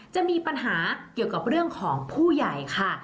จะมีปัญหาเกี่ยวกับเรื่องของผู้ใหญ่ค่ะ